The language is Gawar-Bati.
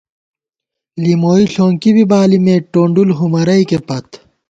لِموئی ݪونکی بی بالېت ٹونڈُل ہُمَرَئیکے پت